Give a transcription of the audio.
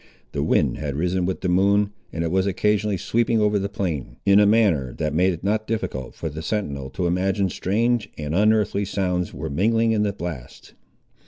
The wind had risen with the moon, and it was occasionally sweeping over the plain, in a manner that made it not difficult for the sentinel to imagine strange and unearthly sounds were mingling in the blasts.